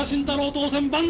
当選万歳！